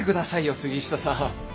杉下さん。